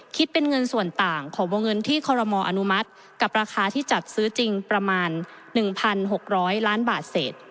คิดเป็นเงินส่วนต่างของวงเงินที่คอรมออนุมัติกับราคาที่จัดซื้อจริงประมาณ๑๖๐๐ล้านบาทเศษ